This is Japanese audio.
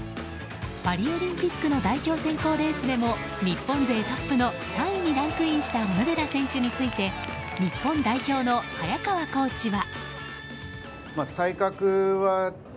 パリオリンピックの代表選考レースでも日本勢トップの３位にランクインした小野寺選手について日本代表の早川コーチは。